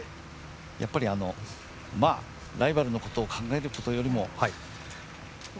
やっぱり、ライバルのことを考えることよりも。